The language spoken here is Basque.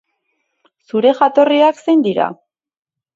Zure jatorriak zein dira?